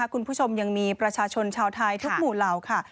คุณผู้ชมยังมีประชาชนชาวไทยทุกหมู่เหล่าค่ะ